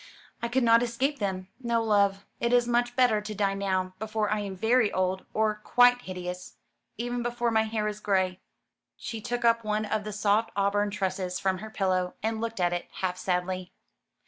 I could not escape them. No, love, it is much better to die now, before I am very old, or quite hideous; even before my hair is gray." She took up one of the soft auburn tresses from her pillow, and looked at it, half sadly.